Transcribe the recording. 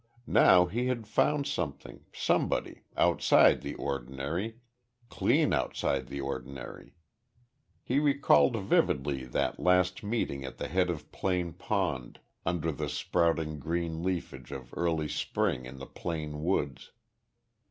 Now he had found something somebody outside the ordinary clean outside the ordinary. He recalled vividly that last meeting at the head of Plane Pond, under the sprouting green leafage of early spring in the Plane woods.